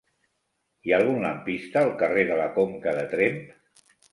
Hi ha algun lampista al carrer de la Conca de Tremp?